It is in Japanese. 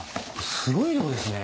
すごい量ですね。